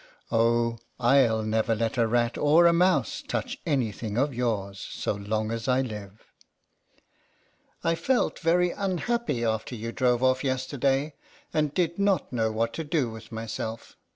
Oh, I'll never let a rat, or a mouse, touch any thing of yours so long as I live. I felt very unhappy after you drove off yesterday, and did not know what to do with myself.